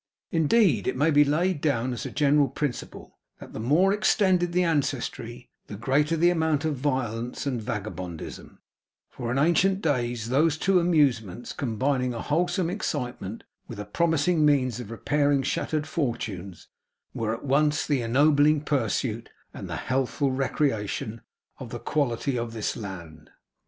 Indeed, it may be laid down as a general principle, that the more extended the ancestry, the greater the amount of violence and vagabondism; for in ancient days those two amusements, combining a wholesome excitement with a promising means of repairing shattered fortunes, were at once the ennobling pursuit and the healthful recreation of the Quality of this land.